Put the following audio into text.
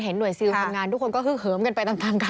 เห็นหน่วยซีลฟังงานทุกคนก็คือเหิมกันไปตามกันนะ